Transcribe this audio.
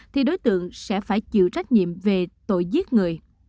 thì đối tượng sẽ phải chịu trách nhiệm về tội giết người